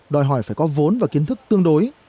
đòi hỏi phải có vốn và kiến thức tương đối